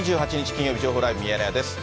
金曜日、情報ライブミヤネ屋です。